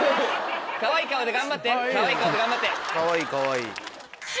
かわいい顔で頑張ってかわいい顔で頑張って。